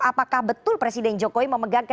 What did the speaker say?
apakah betul presiden jokowi memegang